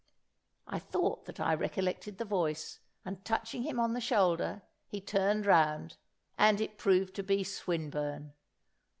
I thought that I recollected the voice, and touching him on the shoulder, he turned round, and it proved to be Swinburne.